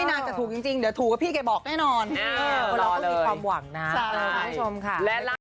สำหรับคุณผู้ชมค่ะ